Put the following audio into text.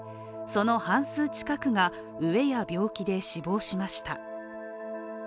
その半数近くが、飢えや病気で死亡しました。